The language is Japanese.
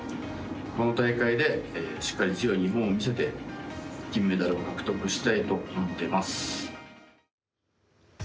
この大会でしっかり強い日本を見せて金メダルを獲得したいと思っています。